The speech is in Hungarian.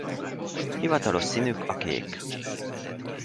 Hivatalos színük a kék.